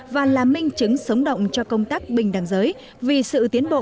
và là minh chứng sống động cho công tác bình đẳng giới vì sự tiến bộ